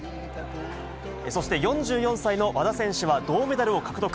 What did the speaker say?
そして４４歳の和田選手は銅メダルを獲得。